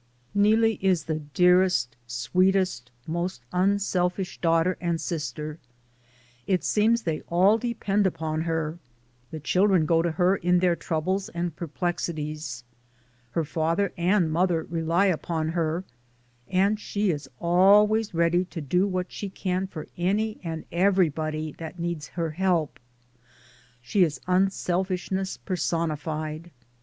Neelie is the dearest, sweetest, most unsel fish daughter and sister; it seems they all depend upon her, the children go to her in their troubles and perplexities, her father and mother rely upon her, and she is always ready to do what she can for any and every body that needs her help ; she is unselfishness personified.